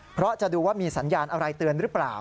เพราะจะดูว่ามีสัญญาณอะไรเตือนหรือเปล่า